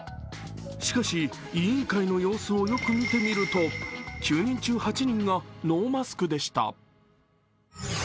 しかし、委員会の様子をよく見てみると９人中、８人がノーマスクでした。